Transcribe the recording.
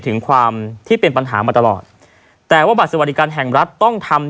ถึงความที่เป็นปัญหามาตลอดแต่ว่าบัตรสวัสดิการแห่งรัฐต้องทำ